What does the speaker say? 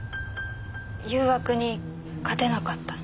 誘惑に勝てなかった。